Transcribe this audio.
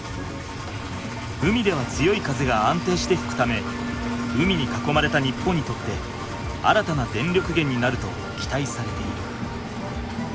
海では強い風が安定してふくため海にかこまれた日本にとって新たな電力源になると期待されている。